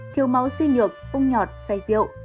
thiếu máu suy nhược ung nhọt say rượu